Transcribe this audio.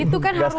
itu kan harus